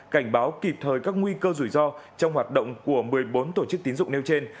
cảnh báo kịp thời các nguy cơ rủi ro trong hoạt động của một mươi bốn tổ chức tín dụng nêu trên